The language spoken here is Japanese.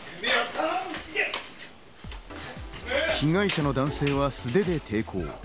被害者の男性は素手で抵抗。